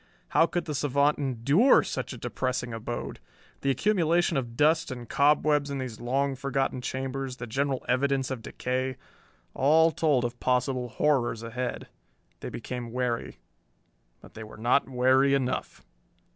How could the savant endure such a depressing abode! The accumulation of dust and cobwebs in these long forgotten chambers, the general evidence of decay all told of possible horrors ahead. They became wary. But they were not wary enough!